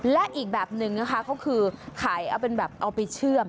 และอีกแบบหนึ่งนะคะก็คือขายเอาเป็นแบบเอาไปเชื่อม